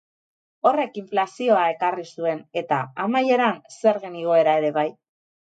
Horrek inflazioa ekarri zuen, eta, amaieran, zergen egoera ere bai.